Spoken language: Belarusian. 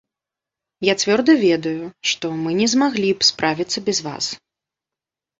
Я цвёрда ведаю, што мы не змаглі б справіцца без вас.